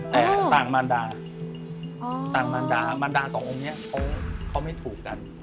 แต่ต่างมารดาต่างองค์นี้เขาไม่ถูกกัน